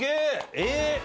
えっ！